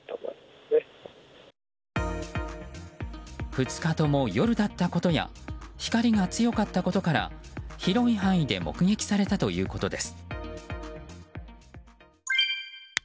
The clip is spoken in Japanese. ２日とも夜だったことや光が強かったことから広い範囲で目撃されたということです。